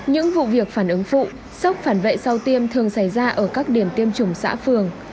những vụ việc phản ứng phụ sốc phản vệ sau tiêm thường xảy ra ở các điểm tiêm chủng xã phường